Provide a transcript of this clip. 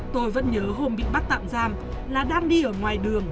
tôi vẫn nhớ hôm bị bắt tạm giam là đang đi ở ngoài đường